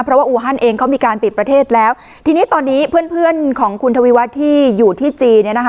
เพราะว่าอูฮันเองเขามีการปิดประเทศแล้วทีนี้ตอนนี้เพื่อนเพื่อนของคุณทวีวัฒน์ที่อยู่ที่จีนเนี่ยนะคะ